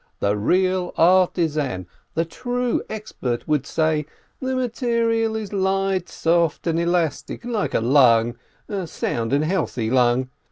The real artisan, the true expert, would say: The material is light, soft, and elastic, like a lung, a sound and healthy lung.